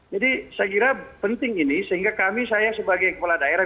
jadi saya kira penting ini sehingga kami saya sebagai kepala daerah